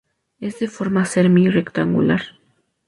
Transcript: Es de forma semi-rectangular.